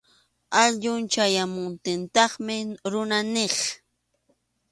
Awyun chayamuptintaqmi runa niq.